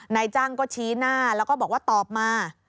นายจ้างก็ชี้หน้าแล้วก็บอกว่าตอบมา